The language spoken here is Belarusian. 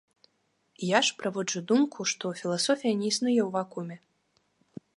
Я ж праводжу думку, што філасофія не існуе ў вакууме.